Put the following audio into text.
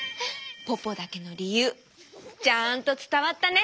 ポポだけのりゆうちゃんとつたわったね。